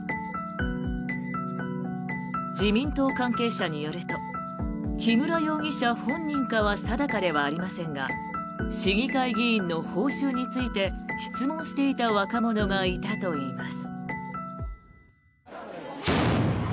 自民党関係者によると木村容疑者本人かは定かではありませんが市議会議員の報酬について質問していた若者がいたといいます。